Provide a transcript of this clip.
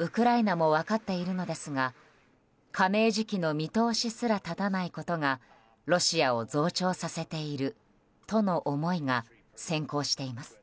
ウクライナも分かっているのですが加盟時期の見通しすら立たないことがロシアを増長させているとの思いが先行しています。